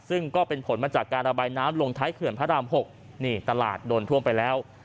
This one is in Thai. ซึ่งก็เป็นผลมาจากการระบายน้ำลงท้ายเขื่อนพระราม๖นี่ตลาดโดนท่วมไปแล้ว